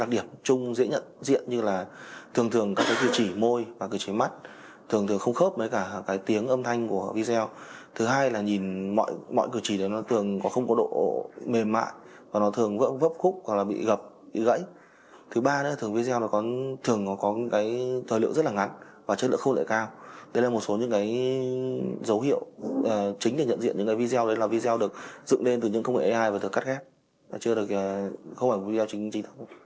dấu hiệu chính để nhận diện những video đó là video được dựng lên từ những công nghệ ai và được cắt ghép không phải video chính trị